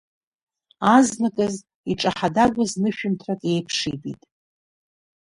Азныказ иҿаҳадагәаз нышәынҭрак иеиԥшитәит.